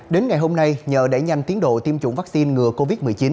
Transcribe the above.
đến ngày hôm nay nhờ đẩy nhanh tiến độ tiêm chủng vaccine ngừa covid một mươi chín